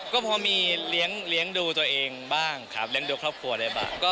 ก็พอมีเลี้ยงดูตัวเองบ้างครับเลี้ยงดูครอบครัวได้บ้าง